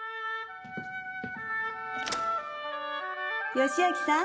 良明さん